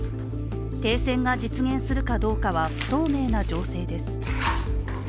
停戦が実現するかどうかは不透明な情勢です。